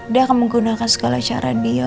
dia akan menggunakan segala cara dia